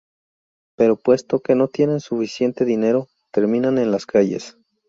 Pero puesto que no tienen suficiente dinero, terminan en las calles.